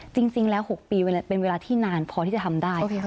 จริงแล้ว๖ปีเป็นเวลาที่นานพอที่จะทำได้